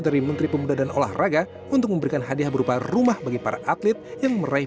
dari menteri pemuda dan olahraga untuk memberikan hadiah berupa rumah bagi para atlet yang meraih